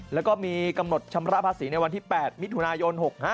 แล้วก็มีกำหนดชำระภาษีในวันที่๘มิถุนายน๖๕